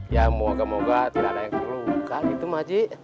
ya moga moga tidak ada yang keruka gitu ma'am haji